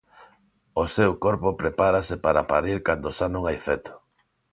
O seu corpo prepárase para parir cando xa non hai feto.